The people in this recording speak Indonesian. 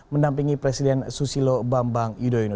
mendampingi presiden susilo bambang yudhoyono